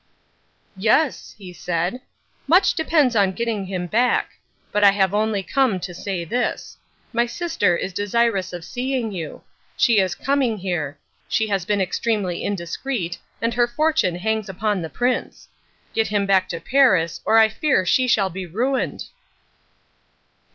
"Yes," he said, "much depends on getting him back. But I have only come to say this: my sister is desirous of seeing you. She is coming here. She has been extremely indiscreet and her fortune hangs upon the Prince. Get him back to Paris or I fear she will be ruined."